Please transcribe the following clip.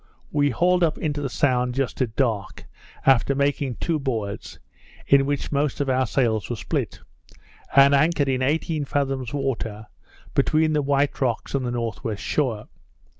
We hauled up into the Sound just at dark, after making two boards, in which most of our sails were split; and anchored in eighteen fathoms water, between the White Rocks and the N.W. shore.